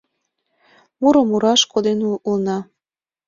Муро мураш коден улына.